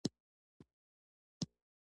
زده کړې یې کمه وه.